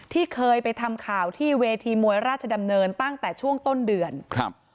ที่เคยไปทำข่าวที่เวทีมวยราชดำเนินตั้งแต่ช่วงต้นเดือนครับ